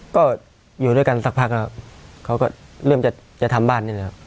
ก็อยู่ด้วยกันสักพักแล้วเขาก็เริ่มจะทำบ้านนี่แหละครับ